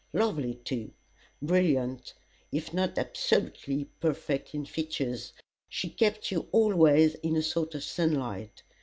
Lovely too, brilliant, if not absolutely perfect in features she kept you always in a sort of sunlight.